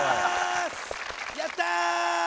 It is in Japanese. やったー！